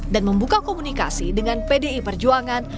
dan membuka komunikasi dengan pdi perjuangan